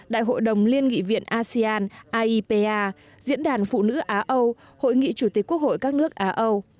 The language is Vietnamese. đại hội đồng liên nghị viện asean aipa diễn đàn phụ nữ á âu hội nghị chủ tịch quốc hội các nước á âu